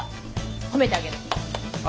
褒めてあげる。